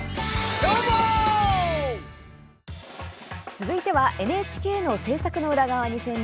続いてはＮＨＫの制作の裏側に潜入し